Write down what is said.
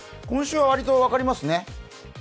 今週はわりと分かりますね。